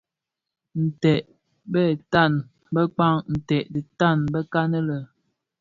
Nted bè tan bëkpan ntèd dhi tan bekan le.